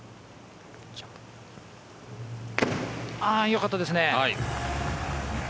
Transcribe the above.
よかったですね。